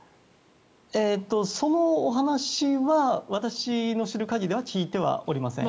そのお話は私の知る限りでは聞いてはおりません。